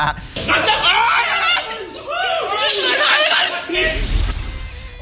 อาจารย์เอาไป